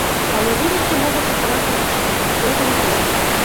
Але вынікі могуць аказацца іншымі, мяркуе палітолаг.